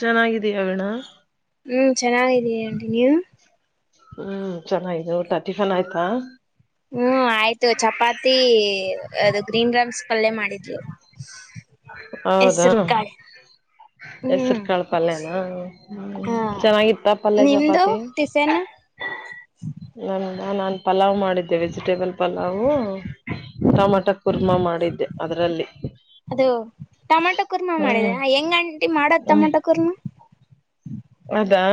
ಚೆನ್ನಾಗಿದೀಯಣ ಹ್ಮ್ ಚೆನ್ನಾಗಿದ್ದೀಂರಿ ಆಂಟಿ ನೀವು ಹ್ಮ್ ಚೆನ್ನು ಟರ್ಟಿ ಸಲ ಆಯ್ತಾ ಹ್ಮ್ ಆಯ್ತು ಚಪಾತಿ ಅದು ಗ್ರೀನ್ ರಮ್ಸ್ ಪಲ್ಯ ಮಾಡಿದ್ಲು ಹೌದಾ ಹೆಸರು ಕಾಳು ಹ್ಮ್ ಹೆಸ್ರುಕಾಳ ಪಲ್ಯನ ಹಾ ಚೆನ್ನಾಗಿತ್ತ ಪಲ್ಯ ನಿಮ್ದು ಚಪಾತಿ ಟಿಫನ್ ನಮ ನಾನ್ ಪಲಾವ್ ಮಾಡಿದ್ದೆ ವೆಜಿಟೇಬಲ್ ಪಲಾವ್ ಟಮಟ ಕುರ್ಮಾ ಮಾಡಿದ್ದೆ ಅದರಲ್ಲಿ ಅದ ಟೊಮಾಟೊ ಕುರ್ಮಾ ಮಾಡಿದೆ ಹೆಂಗಂಟಿ ಮಾಡದ ಹ್ಮ್ ಟಮೊಟೊ ಕುರ್ಮಾ ಅದಾ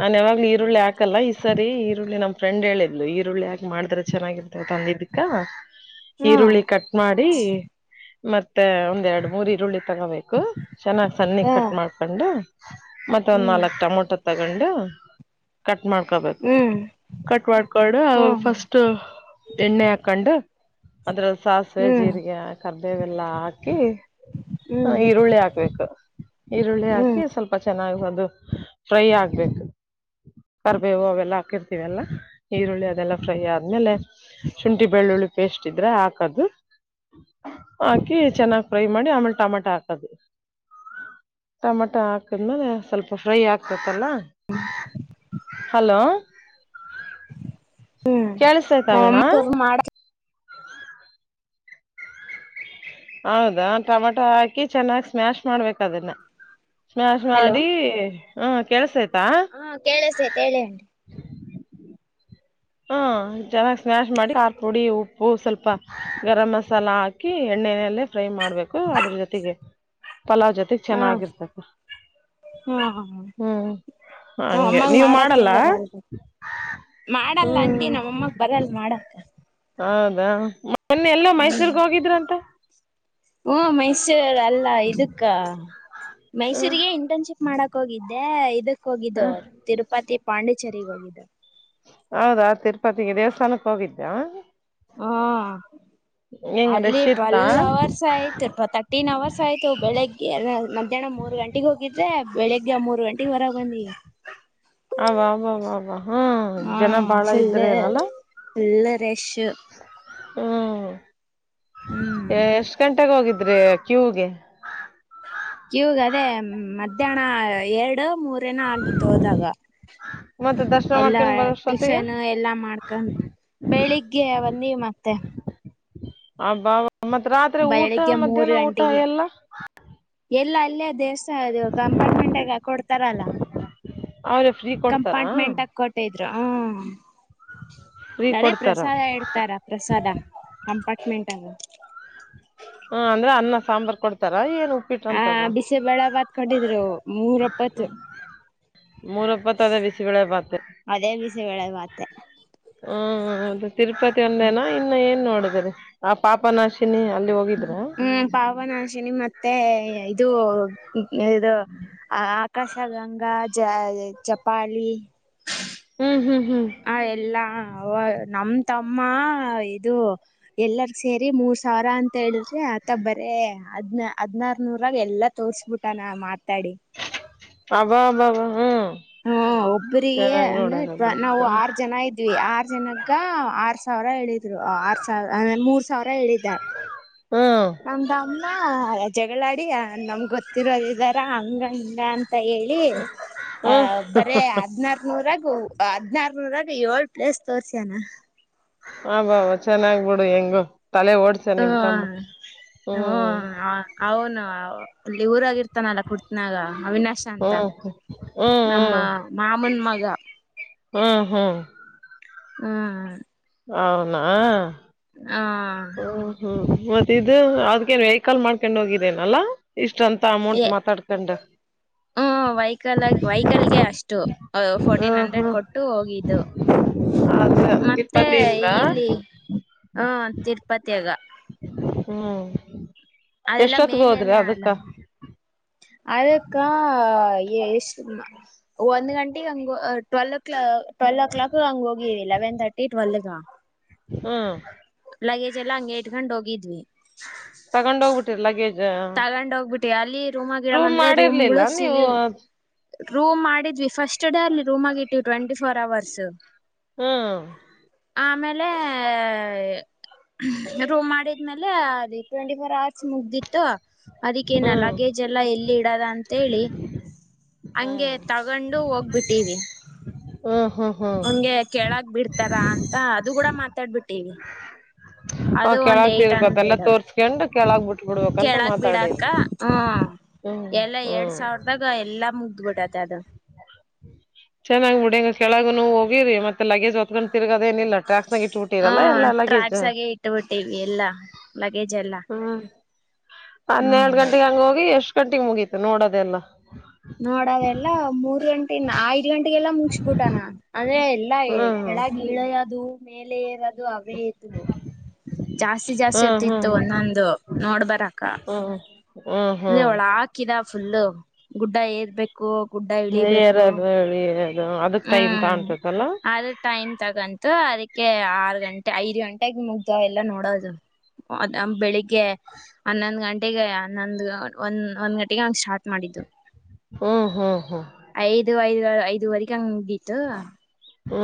ನಾನ್ ಯಾವಾಗ್ೂ ಈರುಳ್ಳಿ ಹಾಕಲ್ಲ ಈ ಸರಿ ಈರುಳ್ಳಿ ನಮ್ಮ ಫ್ರೆಂಡ್ ಹೇಳಿದ್ಲು ಈರುಳ್ಳಿ ಹಕಕ್ ಮಾಡಿದ್ರೆ ಚೆನ್ನಾಗಿ ತಂದಿದಕ್ಕ ಹಾ ಈರುಳ್ಳಿ ಕಟ್ ಮಾಡಿ ಮತ್ತೆ ಒಂದ್ ಎರಡ್ ಮೂರ್ ಈರುಳ್ಳಿ ತಗೋಬೇಕು ಚೆನ್ನಾಗ್ ಸಣ್ಣಿ ಹಾ ಕಟ್ ಮಾಡ್ಕೊಂಡ ಮತ್ತೊಂದ್ ಹ್ಮ್ ನಾಲ್ಕ್ ಟೊಮೊಟೊ ತಗೊಂಡು ಕಟ್ ಮಾಡ್ಕೋಬೇಕು ಹ್ಮ್ ಕಟ್ ಮಾಡಡ್ಕೊಂಡು ಅವಾಗ ಹ್ಮ್ ಫಸ್ಟ್ ಎಣ್ಣೆ ಹಾಕೊಂಡ್ ಅದ್ರ ಸಾಸಿವೆ ಹ್ಮ್ ಜೀರಿಗೆ ಕರ್ದೇವೆಲ್ಲಾ ಹಾಕಿ ಹ ಹ್ಮ್ ಹ್ಮ್ ಈರುಳ್ಳಿ ಹಾಕ್ಬೇಕು ಈರುಳ್ಳಿ ಹಾಕಿ ಸ್ವಲ್ಪ ಚೆನ್ನಾಗ ಫ್ರೈ ಆಗ್ಬೇಕು ಕರ್ಬೇವು ಅವೆಲ್ಲ ಹಾಕಿರ್ತಿೀವಿ ಎಲ್ಲಾ ಈರುಳ್ಳಿ ಅದೆಲ್ಲ ಫ್ರೈ ಆದ್ಮೇಲೆ ಶುಂಠಿ ಬೆಳ್ಳುಳ್ಳಿ ಪೇಸ್ಟ್ ಇದ್ರೆ ಹಾಕದು ಹಾಕಿ ಚೆನ್ನಾಗ್ ಫ್ರೈ ಮಾಡಿ ಆಮೇಲೆ ಟಮಾಟ ಹಾಕದು್ ಟಮಾಟ ಹಾಕಿದ್ಮೇಲೆ ಸ್ವಲ್ಪ ಫ್ರೈ ಆಗ್ತತ್ತಲ್ಲ ಹಲೋ ಹ್ಮ್ ಕೇಸಯ್ತ ನಮ್ಮಮ್ಮ ವಿಣ್ಣ ಕುರ್ಮ ಮಾಡ ಹೌದಾ ಟೊಮಾಟೊ ಹಾಕಿ ಚೆನ್ನಾಗ್ ಸ್ಮ್ಯಾಶ್ ಮಾಡ್ಬೇಕ ಅದನ್ನ ಸ್ಮಾಶ್ ಹಲೋ ಮಾಡಿ ಹ ಕೆಳ್ಸ ಆಯ್ತಾ ಓ ಕೇಳಿಸದೆ ಹೇಳಿ ಆಂಟಿ ಹಾ ಚೆನ್ನಾಗಿ್ ಸ್ಮ್ಯಾಶ್ ಮಾಡಿ ಖಾರ ಪುಡಿ ಉಪ್ಪು ಸ್ವಲ್ಪ ಗರಂ ಮಸಾಲ ಹಾಕಿ ಎಣ್ಣೆಲ್ಲ ಫ್ರೈ ಮಾಡ್ಬೇಕು ಅದ್ರ ಜೊತೆಗೆ ಪಲಾವ್ ಜೊತೆಗೆ ಹಾ ಚೆನ್ನಾಗಿರ್ತತೆ ಹಾ ಹ್ಮ್ ನಾವ್ ಹಗೆ ಅಮ್ಮಂಗ ನೀವ ಮಾಡಕ್ಕೆ ಮಾಡಲ್ಲ ಬರಲ್ದು ಮಾಡಲ್ಲ ಅಂಟಿ ಹ್ಮ್ ನಮ್ಮಮ್ಮಕ್ ಬರಲ್ಲ ಮಾಡಕ್ಕ ಹೌದಾ ಮೊನ್ನೆ ಎಲ್ಲೋ ಮೈಸೂರ್ಗ್ ಹೋಗಿದ್ರ ಅಂತ ಹ ಮೈಸೂರ್ ಅಲ್ಲ ಇದಕ್ಕ ಹ್ಮ್ ಮೈಸೂರಿಗೆ ಇಂಟರ್ನ್ಶಿಪ್ ಮಾಡಕ್ ಹೋಗಿದ್ದೆ ಇದಕ್ ಹೋಗಿದ್ದು ಹ್ಮ್ ತಿರುಪತಿ ಪಾಂಡಿಚೆರಿಗ್ ಹೋಗಿದ್ದು ಹೌದಾ ತಿರುಪತಿಗೆ ದೇವಸ್ಥಾನಕ್ಕೆ ಹೋಗಿದಿಯಾ? [inaudible] ಹಾ ಹೆಂಗ್ ಅಲ್ಲಿ ರಶ್ ಇತ್ತಾ ಟ್ವೆಲ್ವ್ ಅವರ್ಸ್ ಆಯ್ತುತ ಗೋತಾ? [inaudible] ಪಿಫ್ಟೀನ್ ಅವರ್ಸ್ ಆಯ್ತು ಬೆಳಿಗ್ಗೆ ಮಧ್ಯಾಹ್ನ ಮೂರು ಗಂಟೆಗೆಗ ಹೋಗಿದೇ ಬೆಳಿಗ್ಗೆ ಮೂರು ಗಂಟೆಗೆ ಹೊರಗೆ ಬಂದಿವಿ. [inaudible] ಅವಾ ಅವ್ವ ಹ ಹಾ ಜನ ಬಾಳ ಫುಲ್ ಇದ್ರೆ ಏನ್ ಅಲ್ಲ. [inaudible] ಫುಲ್ ರೇಶೂ? [inaudible] ಹೂ [inaudible] ಹು [inaudible] ಎಷ್ಟ್ ಗಂಟೆೆಗೆ ಹೋಗಿದ್ರಿ ಕ್ಯೂಗೆ. [inaudible] ಕ್ಯೂಗ ಅದೇ ಮಧ್ಯಾಹ್ನ ಎರಡು ಮೂರ ಏನ್ ಆಗಿತ್ತ ಹೋದಾಗ? ಮತ್ತೆ ದರ್ಶನ [inaudible] ಎಲ್ಲಾ ಮಾಡ್ಕೊಂಡ್ ಬರೋಷ್ಟೊತ್ತಿಗೆ ಟಿಫನ್ ಎಲ್ಲಾ ಮಾಡ್ಕೊಂಡ. [inaudible] ಬೆಳಿಗ್ಗೆ ಬಂದೀವಿ ಮತ್ತೆ. [inaudible] ಹಬ್ಬಾ ಅವ್ವ ಮತ್ತ ರಾತ್ರಿ ಊಟ ಬೆಳಿಗ್ಗೆ ಮೂರ್ ಮಧ್ಯಾಹ್ನ ಊಟ ಗಂಟೆಗೆ ಎಲ್ಲಾ? [inaudible] ಎಲ್ಲ ಅಲ್ಲೇ ದೇವಸ್ಥ ಅದು ಕಂಪಾರ್ಟ್ಮೆಂಟ್ಗ ಹಾಕಿ ಕೊಡ್ತಾರಲ್ಲಾ? [inaudible] ಅವರ ಫ್ರೀ? [inaudible] ಕಂಪಾರ್ಟ್ಮೆಂಟ್ ದಾಗಾ ಕೊಟ್ಟಿದ್ರು ಫ್ರೀ ಅದೇ ಕೊಡ್ತಾರ ಪ್ರಸಾದ ಹೇಳ [inaudible] ತಾರ ಪ್ರಸಾದ ಕಂಪಾರ್ಟ್ಮೆಂಟ್ ಅಗ [inaudible] ಹ ಅಂದ್ರ ಅನ್ನ ಸಾಂಬಾರ್ ಕೊಡ್ತಾರ ಏನ್ ಉಪ್ಪಿಟ್ ಆ ಅಂತ ಅದ [inaudible] ಬಿಸಿಬೇಳೆ ಬಾತ್ ಕೋಟಿದ್ರು ಮೂರಪ್ಪತ್ತು. ಮೂರೊಪ್ಪತ್ತದ ಬಿಸಿಬೇಳೆ ಬಾತ್ [inaudible] ಅದೇ ಬಿಸಿಬೇಳೆ ಬಾತ್? [inaudible] ಹ ಹ ಹೌದ ತಿರುಪತಿ ಒಂದೇನ ಇನ್ನ ಏನ್ ನೋಡಿದರಿ ಆ [inaudible] ಪಾಪನಾಶಿನಿ ಅಲ್ಲಿ ಹೋಗಿದ್ರೆ. [inaudible] ಹ್ಮ್ ಪಾವನಾಶಿನಿ ಮತ್ತೆ ಇದು ಏದ ಆ ಆಕಾಶಗಂಗಾ ಜ ಚಪಾಳಿ, ಹು ಹು ಹು ಅ ಎಲ್ಲಾ ಅವ ತಮ್ಮ ಇದು ಎಲ್ಲರೂ ಸೇರಿ ಮೂರ್ [inaudible] ತಾರ ಅಂತ ಹೇಳಿದ್ರಿ ಆತ ಬರೇ? [inaudible] ಹದ್ನ ಹದ್ನಾರನೂರಾಗ ಎಲ್ಲಾ ತೋರ್ಸ್ಬಿಟ್ಟ ನಾ ಮಾತಾಡಿ. [inaudible] ಅಬಾ ಅಬ್ಬಬ ಹೂ [inaudible] ಹಾ ಒಬ್ಬ್ರಿಗೆ ಅಲ್ಲ ಬಿಡು ನಾವು ಹ್ಮ್ ಆರು ಜನ ಇದ್ದ [inaudible] ಇದ್ವಿ ಆರ್ ಜನಕ್ಕ ಆರ್ ಸಾವಿರ ಹೇಳಿದ್ರು ಆರ್ ಸಾವಿರಂದ ಮೂರ್ ಸಾವಿರ ಹೇಳಿದ್ದಾರೆ. [inaudible] ಹ [inaudible] ನಮ್ಮ ತಮ್ಮ ಜಗಳಾಡಿ ನಮ್ ಗೊತ್ತ. [inaudible] ಗೊತ್ತ ಇರೋರ ಇದಾರ ಹಂಗ ಹಿಂಗ ಅಂತ ಹೇಳಿ ಅ ಹ್ಮ್ ಬರೇ ಹದ್ನಾರ [inaudible] ನೋಡಕ್ ಹೋಗುಣ ಬಾ ಹದ್ನಾರನೂರಾಗ ಏಳ್ ಪ್ಲೇಸ್ ತೋರ್ಸ್ಯಾನ. [inaudible] ಹ ಬಾಬ ಚೆನ್ನಾಗ್ಬಿಡು ಹೆಂಗು ತಲೆ ಓಡಸಿ [inaudible] ಹ ಹೂ ಅವನು ಈ ಊರಾಗಿರ್ತ [inaudible] ಇರತ್ತನಾ ಅಲ್ಲ ಗೂಡಸ ನ್ಯಾಗ ಅವಿನಾಶ ಅಂತ ಹ್ಮ್ ಹ್ಮ್ ನಮ್ಮ ಮಾಮನ ಮಗ, [inaudible] ಹಾ ಹ [inaudible] ಹೂ ಅವನಾ? [inaudible] ಹಾ [inaudible] ಹೂ ಮತ್ತ ಇದು ಅವರಗೇ ವೆಹಿಕಾಲ್ ಮಾಡ್ಕೊಂಡ್ ಹೋಗಿರ ಏನ್ ಎಲ್ಲಾ? [inaudible] ಇಷ್ಟ ಅಂತ ಅಮೌಂಟ್ ಮಾತಾಡ್ಕೊಂಡವ [inaudible] ಹ ವಹಿಕಲ್ ಗೆ ವಹಿಕಲ್ಗೆ ಅಷ್ಟು ಫೋರ್ಟೀನ್ ಹ್ಮ್ ಹಂಡ್ರೆಡ್ ಹ್ಮ್ ಕೊಟ್ಟು ಹೋಗಿದ್ದು. ಅದ [inaudible] ಮತ್ತೆ ತಿಪ್ಪತಿಯಿಂದ ಇಲ್ಲಿ ಹ ತಿರುಪತಿಯಾಗ? [inaudible] ಹ್ಮ್ ಅದೆಲ್ಲ ಎಷ್ಟೊತ್ತಗ ಹೋದ್ರಿ ಅದಕ್ಕ ಅದಕ್ಕಾಷ್ಟ ಒಂದ್ ಗಂಟೆಗೆ ಹಂಗ ಟ್ವೆಲ್ ಕ್ಲ ಟ್ವೆಲ್ ಒ ಕ್ಲಾಕ್ ಹಂಗ ಹೋಗೀವಿ ಲೆವೆನ್ ತರ್ಟಿ ಟ್ವೆಲ್ಗೆ ಹ್ಮ ಲಗೇಜ್ ಎಲ್ಲ ಹಂಂಗಗೆ ಇಟ್ಕಂಡ್ ಹೋಗಿದ್ವಿ ತಗೊಂಡ್ ಹೋಗ್ಬಿಟ್ಟಿ ಲಗೇಜ್ ತಗೊಂಡ್ ಹೋಗ್ಬಿಟ್ಟಿ ಅಲ್ಲಿ ರೂಮ್ ಗಿಡಮ ಅಂದ್ರೆ ಮಾಡಿರ್ಲಿಲ್ಲ ರೂಮ್ಗಳು ನೀವು ಸಿಗಿಲ್ ರೂಮ್ ಮಾಡಿದ್ವಿ ಫಸ್ಟ್ ಡೇ ಅಲ್ಲಿ ರೂಮ್ ಆಗಿಟ್ವಿ ಟ್ವೆಂಟಿ ಫೋರ್ ಅವರ್ಸ್ ಹಾ ಆಮೇಲೆ ರೂ್ ಮಾಡಿದ್ಮೇಲೆ ಅದ ಟ್ವೆಂಟಿ ಫೋರ್ ಅವರ್ಸ್ ಮುಗ್ದಿತ್ತು ಅದಕ್ಕೇನ ಹ್ಮ್ ಲಗೇಜ್ ಎಲ್ಲಾ ಎಲ್ಲಿ ಇಡದ ಅಂತೇಳಿ ಹಂಗೆ ಹ್ಮ್ ತಗೊಂಡು ಹೋಗ್ಬಿಟ್ಟೀವಿ ಹ ಹಾ ನಂಗೆ ಕೇಳಕ್ ಬಿಡ್ತಾರಾ ಅಂತ ಅದು ಕೂಡ ಮಾತಾಡ್ಬಿಟ್ಟೀವಿ ಆ ಕೆಳಗ್ತಿೀರ್ಪ ಅದೆಲ್ಲ ತೋರ್ಸ್ಕೊಂಡಂಡ್ ಕೆಳಗ್ ಬಿಿಟ್ಟು ಕೇಳಕ್ ಬಿಡಾಕ್ಕ ಹ್ಮ ಹ್ಮ್ ಎಲ್ಲಾ ಎರಡ್ ಹ್ಮ್ ಸಾವಿರದಾಗ ಈಗ ಎಲ್ಲ ಮುಗ್ದ್ಬಿಟ್ಟತೆ ಅದು ಚೆನ್ನ್ ಬಿಡಿಂಗ ಕೆಳಗ ನವು ಹೋಗಿರಿ ಮತ್ತೆ ಲೇಜ್ ಹೊತ್್ೊಂಡ ತಿಗದೇನಿಲ್ಲಟ್ರ್ಯಾಕ್ ಸಂಗಿಟ್ ಟ್ಟಿರಲ್ಲ ಹ್ಮ ಎಲ್ಲಾ ಎಲ್ಲೇಜ ಟ್ರ್ಯಾಕ್ಸ್ ಆಗೆ ಇಟ್ಟುಬಿಟ್ಟಿವಿ ಎಲ್ಲಾ ಲಗೇಜ್ ಎಲ್ಲಾ ಹ್ಮ ಹ್ಮ್ ಹನ್ನೆರಡು ಗಂಟೆಗೆ ಹಂಗ ಹೋಗಿ ಎಷ್ಟ್ ಗಂಟೆಗೆ ಮುಗೀತು ನೋಡೋದೆ ಎಲ್ಲ ನೋಡದೆ ಎಲ್ಲಾ ಮೂರ್ ಗಂಟೆ ಐದ್ ಗಂಟೆಗೆಲ್ಲಾ ಮುಗಸ್ಬಿಟಾನಾನ್ ಅಂದ್ರೆ ಎಲ್ಲಾ ಹ್ಮ್ ಕೆಳಗ ಇಳೆಯದು ಮೇಲೆ ಇದು ಅವೇ ಇದು ಜಾಸ್ತಿ ಜಾಸ್ತಿ ಹ್ಮ್ ಹೊತ್ತ ಹ್ಮ್ ಇತ್ತು ಹ್ಮ್ ಒಂದೊಂದು ನೋಡ್ಬರಕ್ಕ ಹ್ಮ್ ಹ್ಮ್ ಅಂದ್ರೆ ಒಳ ಹ್ಮ್ ಹಾಕಿದ ಫುಲ್ಲ ಗುಡ್ಡ ಏರ್ಬೇಕು ಗುಡ್ಡ ಇಳಿಬೇಕು ಯಾರಾದ ಹೇಳಿ ಏದು ಅದಕ್ ಟೈಮ್ ಹ್ಮ್ ತಾಣ್ತತಲ್ಲ ಆದ್ರ ಟೈಮ್ ತಗಂತು ಅದಕ್ಕೆ ಆರು ಗಂಟೆ ಐದು ಗಂಟೆಗೆ ಮುಗ್ದ ಎಲ್ಲ ನೋಡೋದು ಅ ಬೆಳಿಗ್ಗೆ ಹನ್ನೊಂದ್ ಗಂಟೆಗೆ ಹನ್ನೊಂದಂದು ಒಂದ್ ಒಂದ್ ಗಂಟೆಗೆ ಹಂಗ ಸ್ಟಾರ್ಟ್ ಮಾಡಿದ್ದು ಹ್ಮ್ ಹ್ಮ್ ಹ್ಮ್ ಐದು ಐದ ಐದುವರೆಗೆ ಹಂಗ್ದಿತ್ತುು ಹ್ಮ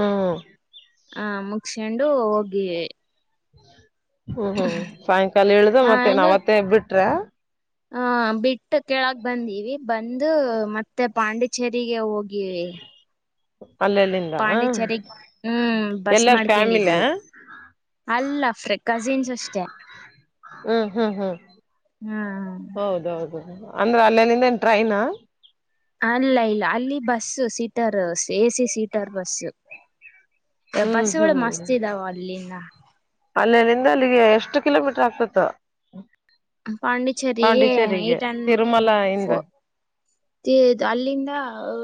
ಆ ಮುಗಸೊಂಡು ಹೋಗಿ ಹ್ಮ್ ಹ್ಮ್ ಸಾಯಂಕಾಲ ಇಳ್ದ ಮತ್ತೆ ನಾವತ್ತೆ ಬಿಟ್ರ ಹಹ ಬಿಟ್ಟು ಕೆೇಳಕ್ ಬಂದೀವಿ ಬಂದು ಮತ್ತೆ ಪಾಂಡಿಚೇರಿಗೆ ಹೋಗಿವಿ ಅಲ್ಲ ಅಲ್ಲಿ ಪಾಂಡಿಚರಿಗ್ ಹ್ಮ್ ಬಸ್ ಫ್ಯಾಮಿಲ ಮಾಡ್ಕೊಂಡಿದ್ವಿ ಅಲ್ಲ ಅಫ್ರೆ ಕಸಿನ್ಸ್ ಅಷ್ಟೇ ಹ್ಮ್ ಹ್ಮ್ ಹ್ಮ್ ಹ್ಮ್ ಹೌದೌದು ಅಂದ್ರೆ ಅಲ್ಲಲ್ಲಿಂದ ಏನ್ ಟ್ರೈನಾ ಅಲ್ಲ ಇಲ್ಲ ಅಲ್ಲಿ bus seater A C seater bus ಹ್ಮ್ ಬಸ್ಗಳು ಮಸ್ತ್ ಇದಾವ ಅಲ್ಲಿಂದ ಅಲ್ಲಿ ನಿಂದ ಅಲ್ಲಿಗೆ ಎಷ್ಟು ಕಿಲೋಮೀಟರ್ ಆಗ್ತತ್ತು ಪಾಂಡಿಚೇರಿ ಎಏಟ್ ಅಂಡ ತಿರುಮಲ ಇಂದ ಫೋರ್ ಅಲ್ಲಿಂದ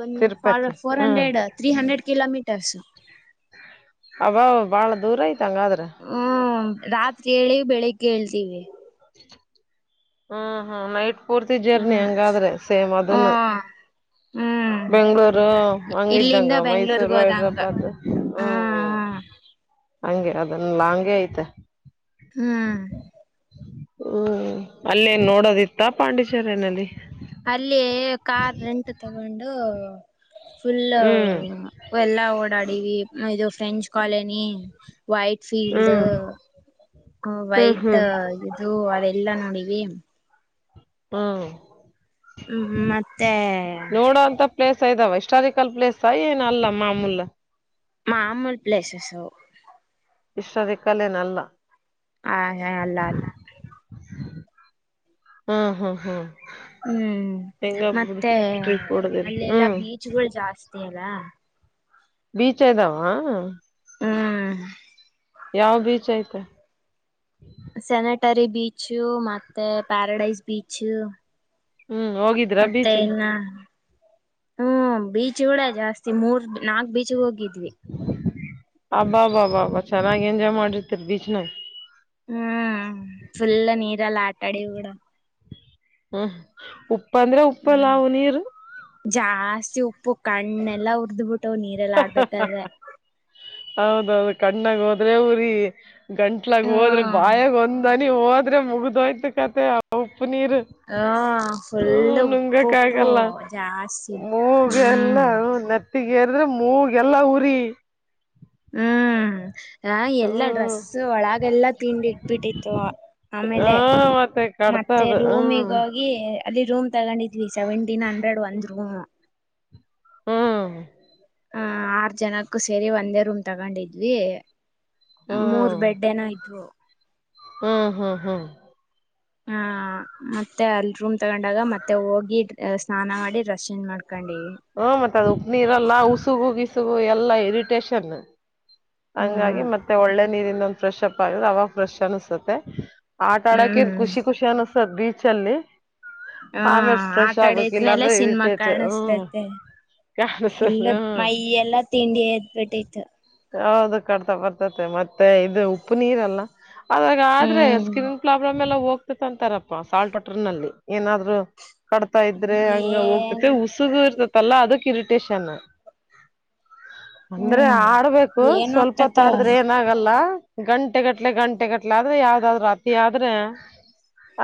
ಒಂದ ತಿರುಪತಿ ಫೋರ್ ಹ್ಮ್ ಹಂಡ್ರೆಡ್ ತ್ರೀ ಹಂಡ್ರೆಡ್ ಕಿಲೋಮೀಟರ್ಸ್ ಅವ ಭಾಳ ದೂರ ಐತ ಹಂಗಾದ್ರೆ ಹ್ಮ್ ರಾತ್ರಿ ಹೇಳಿ ಬೆಳಿಗ್ಗೆ ಹೇಳ್ತೀವಿ ಹ್ಮ್ ಹ್ಮ್ ನೈಟ್ ಪೂರ್ತಿ ಜರ್ನಿ ಹ್ಮ್ ಹಂಗಾದ್ರೆ ಸೇಮ್ ಹ್ಮ ಅದನ್ನು ಹ್ಮ್ ಬೆಂಗ್ಗಳೂರು ಹಂಗ ಇಲ್ಲಿಂದ ಇದಿದ್ದಂಗ ಬೆಂಗ್ಳೂರ್ಗ ಮೈಸೂರು ಹೋದಂಗ ಹೈದ್ರಾಬಾಾದ ಹ್ಮ್ ಹ ಹ್ಮ್ ಹಂಗೆ ಅದನ್ನ ಲಾ ಹಂಗಗೆ ಐ್ತೆ ಹ್ಮ್ ಹ್ಮ್ ಅಲ್ಲೇನ್ ನೋಡೋದಿತ್ತ ಪಾಂಡಿಚೇರನಲ್ಲಿ ಅಲ್ಲಿ ಕಾರ್ ರೆಂಟ್ ತಗೊಂಡು ಫುಲ್ಲ ಹ್ಮ್ ಎಲ್ಲಾ ಓಡಾಡವಿ ಇದು ಫ್ರೆಂಚ್ ಕಾಲನಿ ವೈಟ್ ಫೀಲ್ಡ್ ಹ್ಮ್ ಹ್ಮ್ ವೈಟ್ ಹ್ಮ್ ಅದು ಅದೆಲ್ಲ ನೋಡಿವವಿ ಹ್ಮ ಹ್ಮ ಮತ್ತೆ ಪ್ಲೇಸ್ಾ ಇದಾವ ಇಸ್್ಟಾರಿಕಲ್ ಪ್ಲೇಸ್ ಏನ ಅಲ್ಲ ಮಾಮೂಲ್ ಮಾಮೂಲ್ ಪ್ಲೇಸಸ್ಸು ಇಷ್ಟದಕ್ಕಲೆೇನಲ್ಲ ಹ ಹ ಅಲ್ಲ ಅಲ್ಲ ಹ್ಮ್ ಹ್ಮ್ ಹ್ಮ್ ಹ್ಮ್ ಹೆಂಗ ಮತ್ತೆ ಟ್ರಿಪ್ ಹೊಡದಿರಿ ಅಲ್ಲೆಲ್ಲಾ ಹ್ಮ್ ಬೀಚ್ಗಳು ಜಾಸ್ತಿ ಅಲ್ಲ ಬೀಚ್ ಇದ್ದಾವ ಹ್ಮ್ ಯಾವ ಬೀಚ್ ಐತೆ ಸೆನೆಟರಿ ಬೀಚು ಮತ್ತೆ ಪ್ಯಾರಾಡೈಸ್ ಬೀಚ್ ಹ್ಮ್ ಹೋಗಿದ್ದ ಮತ್ತೆ ಇನ್ನ ಹ್ಮ ಬೀಚ್ ಕೂ ಜಾಸ್ತಿ ಮೂರ್ ನಾಲ್ಕ್ ಬೀಚ್ ಹೋಗಿದ್ವಿ ಅಬ್ಬಾ ಅಬ್ಬಬ್ಬಾ ಅಬ್ಬ ಚೆನ್ನಾಗಿ ಎಂಜಾಯ್ ಮಾಡಿರ್ತೀರಿ ಬೀಚ್ನ ಹ್ಮ್ ಫುಲ್ಲ ನೀರೆಲ್ಲ ಆಟಾಡಿ ಕೂಡ ಹ್ಮ್ ಉಪ್ಪ ಅಂದ್ರೆ ಹ್ಮ್ ಉಪ್ಪಲ್ಲಾವು ನೀರು ಜಾಸ್ತಿ ಉಪ್ಪು ಕಣ್ಣೆಲ್ಲ ಉರ್್ದ್ ಬಿಿಟ್ಟ ನೀರೆಲ್ಲ ಆಡ್ಬೇಕಾದ್ರೆ ಹೌದೌದು ಕಣ್ಣಾಗ ಹೋದ್ರೆ ಉಊರಿ ಗಂಟ್ಲಾಗ ಹೋದ್ರೆ ಹ್ಮ್ ಬಾಯಾಗ ಒಂದ ನ ನೀಿ ಹೋದ್ರೆ ಮುಗ್ದೋಯ್ತು ಕತೆ ಉಪ್ಪು ನೀರು ಹ ಹ್ಮ ಫುಲ್ ಉಪ್ಪು ನುಂಗಕ ಉಪ್ಪು ಆಗಲ್ಲ ಜಾಸ್ತಿ ಮೂಗ ಎಲ್ಲ ಹ್ಮ್ ನೆತ್ತ ಗದ್ರೆ ಮೂಗೆಲ್ಲ ಉರಿ ಹ್ಮ್ ಹ ಎಲ್ಲಾ ಹ್ಮ್ ಡ್ರೆಸ್ ಒಳಗೆಲ್ಲಾ ತಿಂಡಿ ಇಟ್ಬಿಟ್ಟಿತ್ತು ಹ ಆಮೇಲೆ ಮತ್ತೆ ಮತ್ತೆ ಕಡ್ತದ ರೂಮ್ಗ ಹ್ಮ್ ಹೋಗಿ ಅಲ್ಲಿ ರೂಮ್ ತಗೊಂಡಿದ್ವಿ ಸೆವೆಂಟೀನ್ ಹಂಡ್ರೆಡ್ ಒಂದ್ ರೂಮ್ ಹ್ಮ ಹ ಆರು ಜನಕ್ಕೂ ಸೇರಿ ಒಂದೇ ರೂಮ್ ತಗೊಂಡಿದ್ವಿ ಮೂರ್ ಹ್ಮ್ ಬೆಡ್ ಏನೋ ತ [inaudible] ಹ್ಮ್ ಹ್ಮ್ ಹ್ಮ್ ಹ ಮತ್ತೆ ಅಲ್ಲಿ ರೂಮ್ ತಗೊಂಡಾಗ ಮತ್ತೆ ಹೋಗಿ ಸ್ನಾನ ಮಾಡಿ ರಶ್ ಮಾಡ್ಕೊಂಡಿವ ಹ ಮತ್ತೆ ಅದು ಉಪ್ಪು ನೀೀರಲ್ಲ ಉಸುಗು ಬಿಸುಗು ಎಲ್ಲಾ ಇರಿಟೇಷನ್ ಹಂಗಾಗಿ ಹ್ಮ್ ಮತ್ತೆ ಒಳ್ಳೆ ನೀರಿಂದ ಒಂದ ಫ್ರೆಶ್ ಅಪ್ ಆಗ್ರೆ ಅವಾಗ ಫ್ರೆಶ್ ಅನಸುತ್ತೆ ಆಟ ಆಡಕ ಹ್ಮ್ ಖುಷಿ ಖುಷಿ ಅನಿಸ್ತದ ಬೀಚಲ್ಲಿ ಹಾ ಆಟ ಆಡಿದ್ನೆಲ್ಲ ಸಿನಿಮಾ ಇರಿಟೇಟ್ ಹ್ಮ್ ಕಾಣಿಸತೈತೆ ಕಾಣಸದ ಎಲ್ಲ ಹ್ಮ್ ಮೈ ಎಲ್ಲ ತಿಂಡಿ ಎದ್ಬಿಟ್ಟಿತ್ತು ಹೌದು, ಕಟ್ತಾ ಬರ್ತದ ಮತ್ತೆ ಉಪ್ಪು ನೀರಲ್ಲ ಆದ್ರೆ ಹ್ಮ್ ಸ್ಕಿನ್ ಪ್ರಾಬ್ಲಮ್ ಎಲ್ಲಾ ಹೋಗ್ತಕ್ಕಂತರೋಪ ಸಾಲ್ಟ್ ವಾಟರ್ನಲ್ಲಿ ಏನಾದ್ರೂ ಕಟ್ತಾ ಇದ್ರೆ ಎಲ್ಲರೂ ಏನ್ ಇದ್ರೆ ಲ್ಲ ಅದಕ್ ಇರಿಟೇಷನ್ ಅಂದ್ರೆ ಹ್ಮ್ ಆ ಬಬೇಕು ಏನ್ ಸ್ವಲ್ಪ ಹೋಗ್ತತ ತಾಡ್ರೆ ಏ ಏನು ಆಗಲ್ಲ ಗಂಟೆಗಟ್ಟಲೆ ಗಂಟೆಗಟ್ಲೆ ಯಾವುದಾದರೂ ಅತ್ಯ ಆದ್ರೆ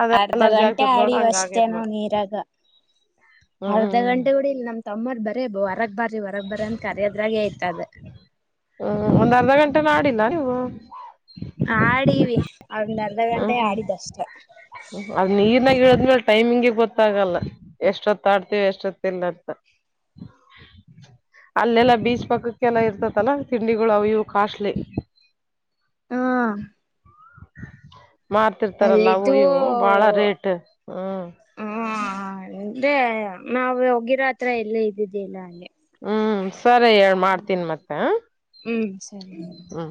ಅದ ಅರ್ಧ ಅಲರ್ಜಿ ಗಂಟೆ ಆಗ್ತೇತ್ ನೋಡ ಆಡಿರುವ ಹಂಗ ಅಷ್ಟೇ ಆಗೇತ್ ನಾವು ಮತ್ ನೀರಾಗ ಹ್ಮ್ ಅರ್ಧ ಗಂಟೆ ಆಗಿಲ್ಲ ನನ್ ತಮ್ಮೋರ್ ಬರೇ ಹೊರಗ್ ಬರ್ರಿ ಅಂತ ಕರೆದರೆ ಆಗಿತ್ತು ಹ್ಮ ಒಂದ್ ಅರ್ಧ ಗಂಟೆ ನಾಡಿಲ್ಲ ನೀವು ಆಡಿವಿ ಒಂದರ್ಧ ಗಂಟೆ ಆಡಿದ ಅಷ್ಟೇ ಅದು ನೀರಲ್ಲಿ ಟೈಮಿಂಗೆ ಗೊತ್ತಾಗಲ್ಲ ಎಷ್ಟೊತ್ತ ಆಡ್ತಿವಿ ಎಷ್ಟೊತ್ತಿಲ್ಲ ಅಂತ ಅಲ್ಲಿ ಎಲ್ಲಾ ಬೀಚ್ ಪಕ್ಕ ಇರುತಲ್ಲ ತಿಂಡಿಗಳು ಅವು ಕಾಸ್ಟ್ಲಿ ಹ್ಮ ಮಾರ್ತಿರ್ತಾರಲ್ಲ ಹೂ ಅಲ್ಲಿದ್ದು ಇವು ಬಾಳ ರೇಟ್ ಹ್ಮ ನಾವು ಹೋಗಿರತ್ರ ಅವು ಎಲ್ಲಿದ್ದಿಲ್ಲ ಸರಿ ಮಾಡ್ತೀನಿ ಮತ್ತೆ ಹ್ಮ್ ಸರಿ ಹ್ಮ